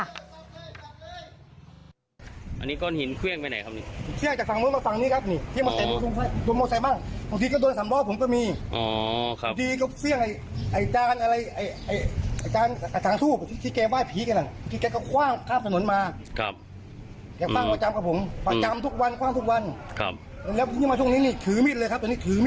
อันนี้ก้นหินเครื่องไปไหนครับ